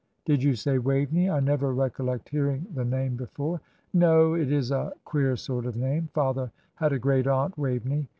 "Did you say Waveney? I never recollect hearing the name before." "No. It is a queer sort of name. Father had a great aunt Waveney.